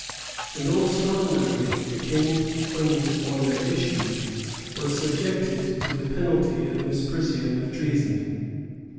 And all slander against the king, queen, or their issue, was subjected to the penalty of misprision of treason.